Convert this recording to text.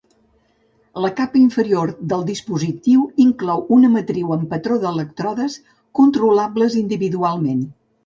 La capa inferior del dispositiu inclou una matriu en patró d'elèctrodes controlables individualment.